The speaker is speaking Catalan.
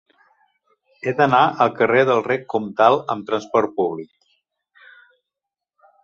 He d'anar al carrer del Rec Comtal amb trasport públic.